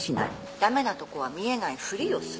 駄目なとこは見えないふりをする。